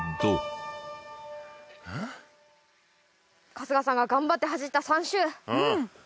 春日さんが頑張って走った３周。